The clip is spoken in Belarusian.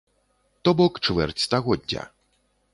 То бок, чвэрць стагоддзя.